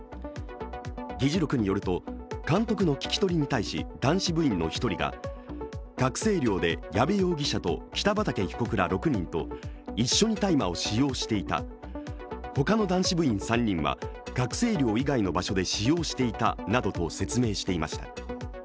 議事録によると、監督の聞き取りに対し男子部員の１人が学生寮で矢部容疑者と北畠被告ら６人と一緒に大麻を使用していた、他の男子部員３人は、学生寮以外の場所で使用していたなどと説明していました。